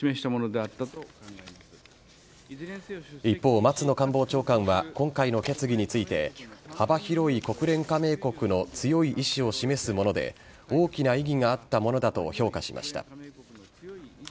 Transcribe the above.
一方、松野官房長官は今回の決議について幅広い国連加盟国の強い意志を示すもので大きな意義があったものだと評価しました。